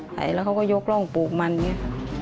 ให้แล้วเขาก็ยกร่องปลูกมันอย่างนี้ค่ะ